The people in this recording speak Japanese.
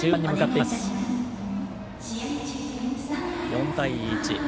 ４対１。